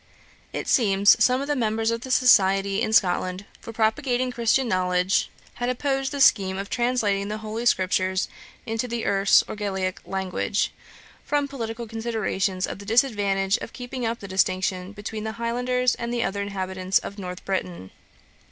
It seems, some of the members of the society in Scotland for propagating Christian knowledge, had opposed the scheme of translating the holy scriptures into the Erse or Gaelick language, from political considerations of the disadvantage of keeping up the distinction between the Highlanders and the other inhabitants of North Britain.